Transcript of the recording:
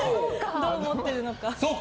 どう思っているのか。